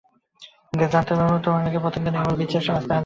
জানতাম তার অনেক আগে পতেঙ্গা নেভাল বিচের রাস্তায় হাজির হবে সাইদুল।